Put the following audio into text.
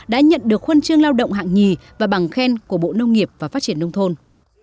đã nhận được huân chương lao động hạng nhì và bằng khen của bộ nông nghiệp và phát triển nông thôn